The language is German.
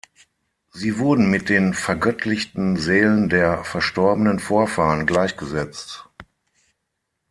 Sie wurden mit den vergöttlichten Seelen der verstorbenen Vorfahren gleichgesetzt.